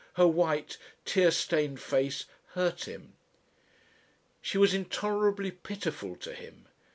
Her white, tear stained face hurt him.... She was intolerably pitiful to him.